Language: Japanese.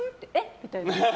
みたいな。